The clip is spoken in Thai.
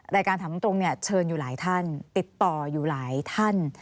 รายการถามตรงเนี่ยเชิญอยู่หลายท่านติดต่ออยู่หลายท่าน